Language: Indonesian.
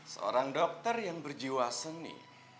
seorang dokter yang berjiwa seni